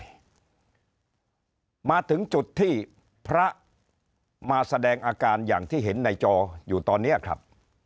มาถึงจุดที่พระมาแสดงอาการอย่างที่เห็นในจออยู่ตอนนี้ครับ